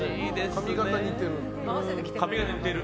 髪形似てる？